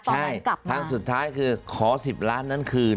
ใช่ทางสุดท้ายคือขอ๑๐ล้านนั้นคืน